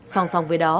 song song với đó